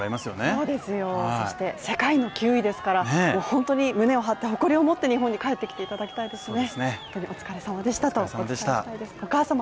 そうですよ、そして世界の９位ですから本当に胸を張って誇りを持って日本に帰っていただきたいですね